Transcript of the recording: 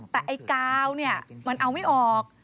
แต่ไอ้กาวเนี่ยมันเอาไม่ออก